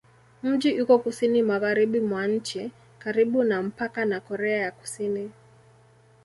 Mji uko kusini-magharibi mwa nchi, karibu na mpaka na Korea ya Kusini.